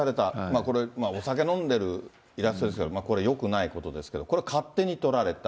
これ、お酒飲んでるイラストですけど、これ、よくないことですけど、これ、勝手に撮られた。